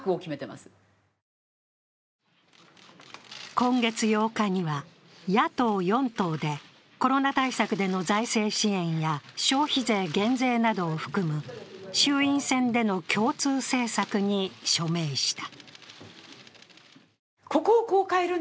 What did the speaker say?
今月８日には野党４党でコロナ対策での財政支援や消費税減税などを含む衆院選での共通政策に証明した。